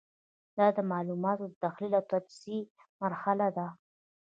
دا د معلوماتو د تحلیل او تجزیې مرحله ده.